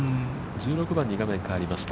１６番に画面が変わりました。